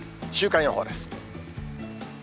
週間予報です。